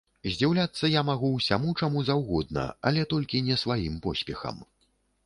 Здзіўляцца я магу ўсяму, чаму заўгодна, але толькі не сваім поспехам.